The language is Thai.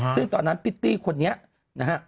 ซึ่งตอนนั้นพิตตี้คนนี้นะฮะ